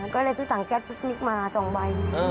ก็เลยถึงต้องแก๊สพี่กิ๊กมา๒ใบ